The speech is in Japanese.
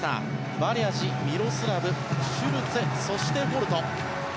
バリャジ、ミロスラブシュルツェ、そしてホルト。